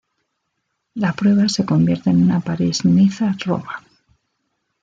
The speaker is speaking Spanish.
La prueba se convierte en una París-Niza-Roma.